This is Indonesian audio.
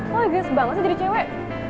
lo iges banget sih jadi cewek